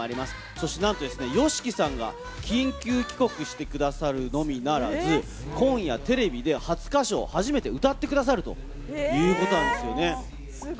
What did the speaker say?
そしてなんとＹＯＳＨＩＫＩさんが緊急帰国して下さるのみならず、今夜テレビで初歌唱を初めて歌って下さるということなんですよね。